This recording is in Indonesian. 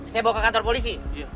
saya bawa ke kantor polisi